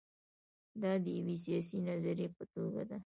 دا د یوې سیاسي نظریې په توګه ده.